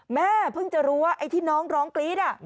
แม่เพิ่งจะรู้ว่าไอ้ที่น้องร้องกรี๊ด